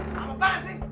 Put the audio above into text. kamu parah sih